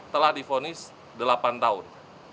telah difonis delapan tahun